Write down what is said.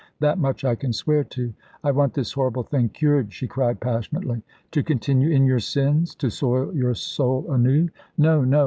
That much I can swear to." "I want this horrible thing cured," she cried passionately. "To continue in your sins? To soil your soul anew?" "No! no!